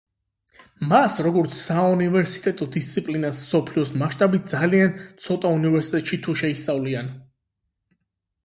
მას როგორც საუნივერსიტეტო დისციპლინას მსოფლიოს მასშტაბით ძალიან ცოტა უნივერსიტეტში თუ შეისწავლიან.